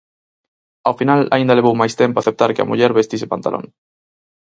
Ao final aínda levou máis tempo aceptar que a muller vestise pantalón.